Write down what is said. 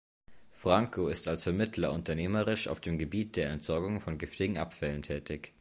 Franco ist als Vermittler unternehmerisch auf dem Gebiet der Entsorgung von giftigen Abfällen tätig.